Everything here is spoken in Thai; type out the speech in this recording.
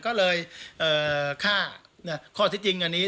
ก็เลยฆ่าข้อที่จริงอันนี้